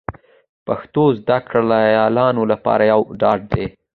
پښتو زده کړیالانو لپاره یو ډاډ دی